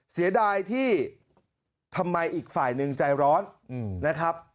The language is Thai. เสียดายที่ทำไมอีกฝ่ายหนึ่งใจร้อนนะครับ